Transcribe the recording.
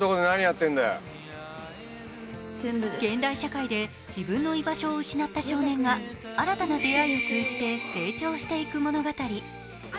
現代社会で自分の居場所を失った少年が新たな出会いを通じて成長していく物語。